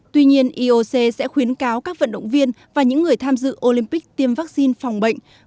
tuy nhiên ioc sẽ khuyến cáo các vận động viên và những người tham dự olympic tiêm vaccine phòng bệnh